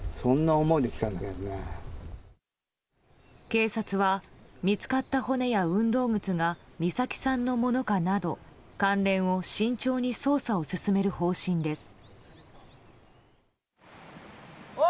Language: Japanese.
警察は見つかった骨や運動靴が美咲さんのものかなど関連を慎重に捜査を進める方針です。